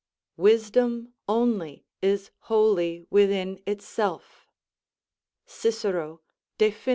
["Wisdom only is wholly within itself" Cicero, De Fin.